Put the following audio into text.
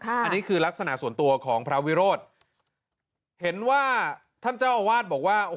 อันนี้คือลักษณะส่วนตัวของพระวิโรธเห็นว่าท่านเจ้าอาวาสบอกว่า